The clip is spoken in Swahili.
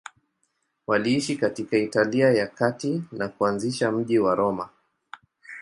Waliishi katika Italia ya Kati na kuanzisha mji wa Roma.